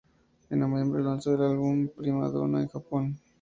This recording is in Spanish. En noviembre, lanzó el álbum "Prima Donna" en Japón.